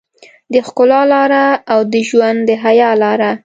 د ښکلا لاره او د ژوند د حيا لاره.